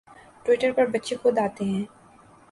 Twitter پر بچے خود آتے ہیں